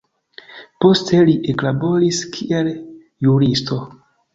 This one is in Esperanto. Poste li eklaboris kiel juristo.